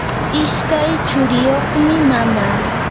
ishkay churiyuqmi mama.